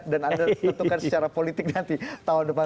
dan anda tentukan secara politik nanti tahun depan